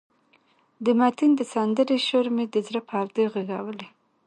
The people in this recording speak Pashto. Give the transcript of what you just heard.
د متین د سندرې شور مې د زړه پردې غږولې.